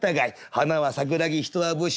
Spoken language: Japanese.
花は桜木人は武士。